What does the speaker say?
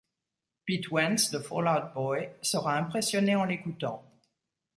Pete Wentz, de Fall Out Boy, sera impressionné en l'écoutant.